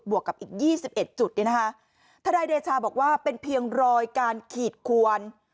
บวกกับอีกยี่สิบเอ็ดจุดเนี่ยนะคะทะดายเดชาบอกว่าเป็นเพียงรอยการขีดควร